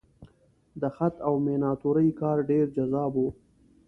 د خط او میناتورۍ کار ډېر جذاب و.